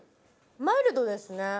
マイルドですね。